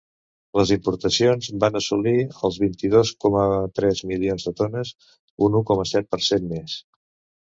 Les importacions van assolir els vint-i-dos coma tres milions de tones, un u coma set per cent més.